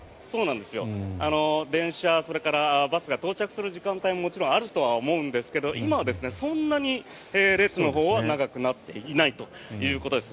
電車、それからバスが到着する時間帯ももちろんあると思うんですが今はそんなに列のほうは長くなっていないということです。